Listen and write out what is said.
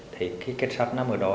thấy cái kết sát nằm ở đó